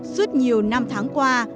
suốt nhiều năm tháng qua